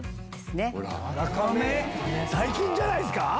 最近じゃないっすか？